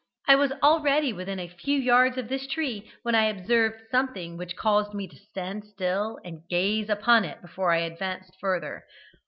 I was already within a few yards of this tree when I observed something which caused me to stand still and gaze upon it before I advanced further.